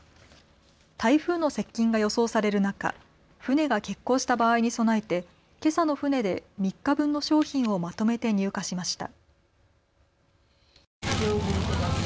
台風の接近が予想される中、船が欠航した場合に備えてけさの船で３日分の商品をまとめて入荷しました。